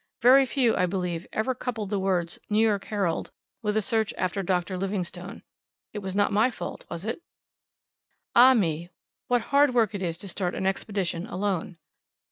||________________________________________| very few, I believe, ever coupled the words 'New York Herald' with a search after "Doctor Livingstone." It was not my fault, was it? Ah, me! what hard work it is to start an expedition alone!